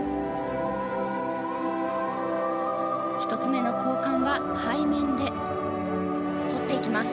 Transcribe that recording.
１つ目の交換は背面で取っていきます。